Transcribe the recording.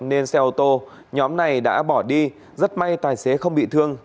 nên xe ô tô nhóm này đã bỏ đi rất may tài xế không bị thương